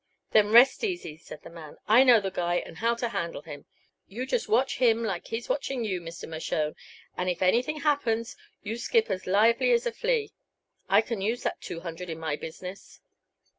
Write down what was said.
"Then rest easy," said the man. "I know the guy, and how to handle him. You just watch him like he's watching you, Mr. Mershone, and if anything happens you skip as lively as a flea. I can use that two hundred in my business."